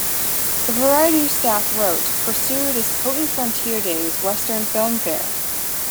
The "Variety" staff wrote, "Pursued" is potent frontier days western film fare.